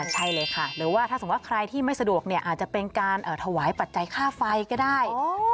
ใช่เลยค่ะหรือว่าถ้าสมมุติว่าใครที่ไม่สะดวกเนี่ยอาจจะเป็นการถวายปัจจัยค่าไฟก็ได้